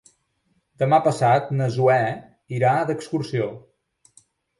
Demà passat na Zoè irà d'excursió.